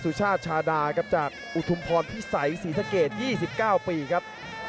สุชาติชาดาจากอุทุมพรพิสัยศรีสะเกตยี่สิบเก้าปีครับ